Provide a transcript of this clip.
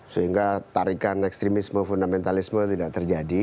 sehingga tarikan ekstremisme fundamentalisme tidak terjadi